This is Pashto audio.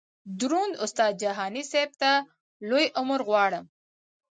دروند استاد جهاني صیب ته لوی عمر غواړم.